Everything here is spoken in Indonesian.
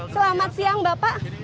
selamat siang bapak